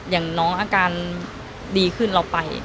อย่างน้องอาการดีขึ้นเราไป